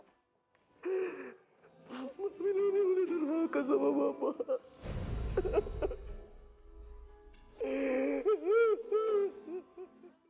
kamu tadi variety banget ini mah removed u dua ribu enam belas